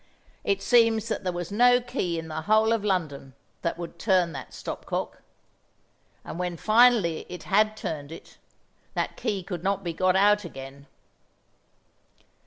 It seems that there was no key in the whole of London that would turn that stop cock; and when finally it had turned it, that key could not be got out again.